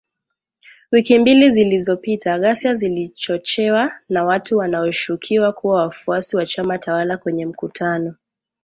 Wiki mbili zilizopita, ghasia zilichochewa na watu wanaoshukiwa kuwa wafuasi wa chama tawala kwenye mkutano